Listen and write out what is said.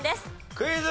クイズ。